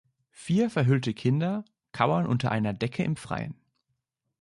Vier verhüllte Kinder kauern unter einer Decke im Freien.